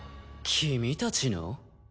君たちの？